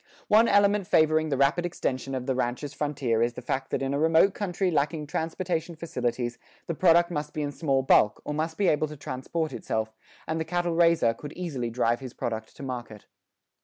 One element favoring the rapid extension of the rancher's frontier is the fact that in a remote country lacking transportation facilities the product must be in small bulk, or must be able to transport itself, and the cattle raiser could easily drive his product to market.